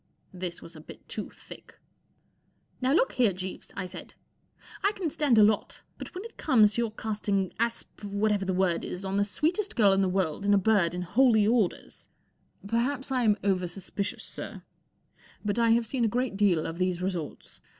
This was a bit too thick, fl Now, look here, Jeeves/* I said, 11 I can stand a lot, but when it comes to your casting asp whatever the word is on the sweetest girl in the world and a bird in Holy Orders— "" Perhaps I am over suspicious, sir. But Digitized by vL*0057It I have seen a great deal of these resorts.